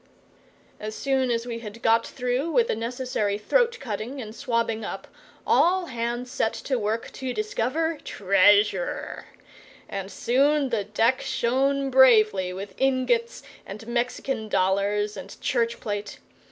As soon as we had got through with the necessary throat cutting and swabbing up all hands set to work to discover treasure; and soon the deck shone bravely with ingots and Mexican dollars and church plate.